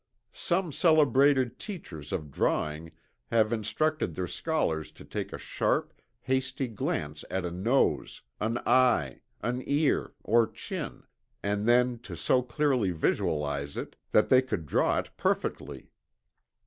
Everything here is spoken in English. Some celebrated teachers of drawing have instructed their scholars to take a sharp hasty glance at a nose, an eye, an ear, or chin, and then to so clearly visualize it that they could draw it perfectly.